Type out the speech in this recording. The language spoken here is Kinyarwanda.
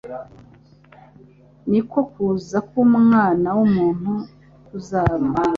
niko kuza k'Umwana w'umuntu kuzaba."